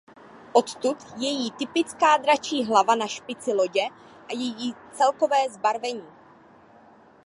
Odtud její typická dračí hlava na špici lodě a její celkové zbarvení.